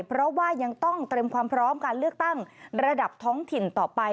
เพราะว่ายังต้องเตรียมความพร้อมการเลือกตั้งระดับท้องถิ่นต่อไป